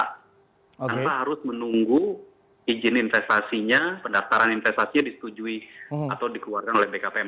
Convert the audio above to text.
karena harus menunggu izin investasinya pendaftaran investasinya disetujui atau dikeluarkan oleh bkpm